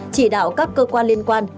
chỉ đạo các cơ quan liên quan